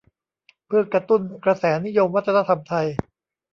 เพื่อกระตุ้นกระแสนิยมวัฒนธรรมไทย